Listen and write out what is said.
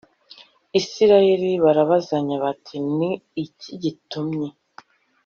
isirayeli barabazanya bati ni iki gitumye